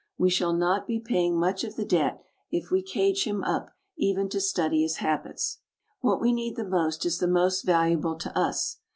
We shall not be paying much of the debt if we cage him up even to study his habits. What we need the most is the most valuable to us.